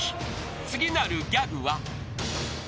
［次なるギャグは］